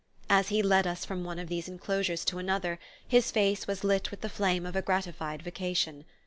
As he led us from one of these enclosures to another his face was lit with the flame of a gratified vocation.